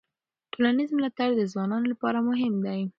ټولنیز ملاتړ د ځوانانو لپاره مهم دی.